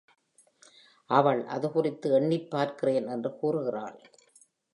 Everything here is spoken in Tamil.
அவள் அது குறித்து எண்ணிப்பார்க்கிறேன் என்று கூறுகிறாள்.